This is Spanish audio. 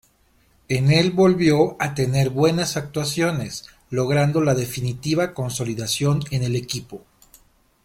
En el volvió a tener buenas actuaciones, logrando la definitiva consolidación en el equipo.